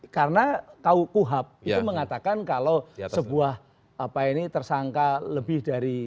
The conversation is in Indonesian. karena tahu puhab itu mengatakan kalau sebuah apa ini tersangka lebih dari